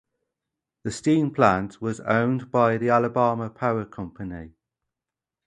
The steam plant was owned by the Alabama Power Company.